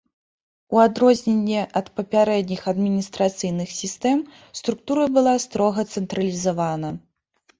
У адрозненне ад папярэдніх адміністрацыйных сістэм, структура была строга цэнтралізавана.